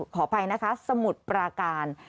ขออภัยนะคะสมุทรปราการ